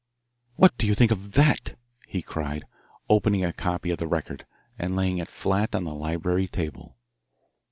"What do you think of that?" he cried, opening a copy of the Record, and laying it flat on the library table.